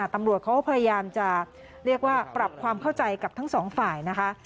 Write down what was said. ตำรวจเขาก็พยายามจะเรียกว่าปรับความเข้าใจกับทั้งสองฝ่ายนะคะ